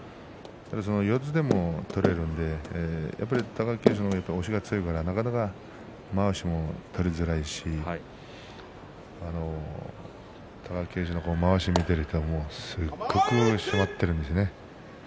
四つでも取れるので貴景勝の押しが強いのでなかなかまわしも取りづらいし貴景勝のまわしを見ていてもかたく締まっていますね。